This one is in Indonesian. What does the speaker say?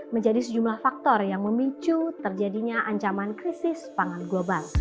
menjadi sejumlah faktor yang memicu terjadinya ancaman krisis pangan global